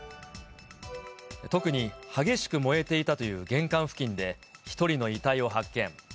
特に激しく燃えていたという玄関付近で、１人の遺体を発見。